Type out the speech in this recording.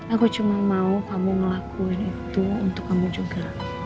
aku cuma mau kamu ngelakuin itu untuk kamu juga